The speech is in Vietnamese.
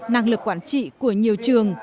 năng lực quản trị của nhiều trường